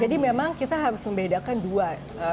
jadi memang kita harus membedakan dua